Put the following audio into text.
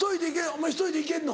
お前１人で行けんの？